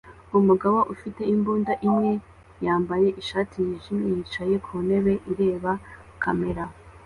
Umugabo ufite imbunda imwe yambaye ishati yijimye yicaye ku ntebe ireba kamera